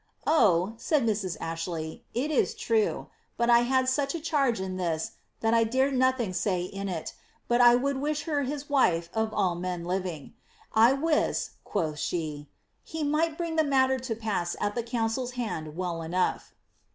^Oh«" said Mrs. Ashley, ^Ht is true; but 1 had such a charge in this that I dare nothing say in it, but I would wish her his wife of all men living. I wis," quoth she, ^ he might bring the matter to pass at the counciPs hands well enough."